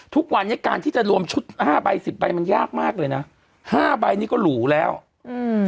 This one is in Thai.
ทุกวันนี้การที่จะรวมชุดห้าใบสิบใบมันยากมากเลยน่ะห้าใบนี้ก็หรูแล้วอืม